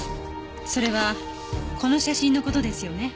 それはこの写真の事ですよね？